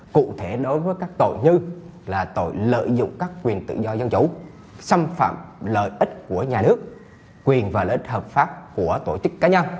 cụ thể đối với các tội như là tội lợi dụng các quyền tự do dân chủ xâm phạm lợi ích của nhà nước quyền và lợi ích hợp pháp của tổ chức cá nhân